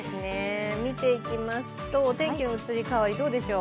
見ていきますと、お天気の移り変わり、どうでしょう。